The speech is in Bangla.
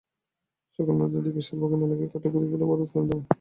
সকাল নয়টার দিকে শালবাগান এলাকায় কাঠের গুঁড়ি ফেলে অবরোধ করেন তাঁরা।